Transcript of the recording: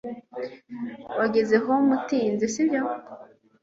Wageze hano utinze, sibyo?